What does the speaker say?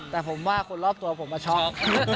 แต่ผมว่าคนรอบตัวผมมาช็อก